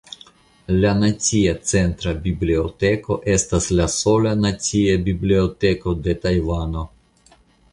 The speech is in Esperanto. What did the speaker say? La Nacia Centra Biblioteko estas la sola nacia biblioteko de Tajvano.